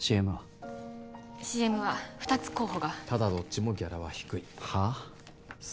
ＣＭは二つ候補がただどっちもギャラは低いはっ？